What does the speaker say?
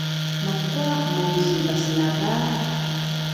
Makuaq muu sinpaasnava?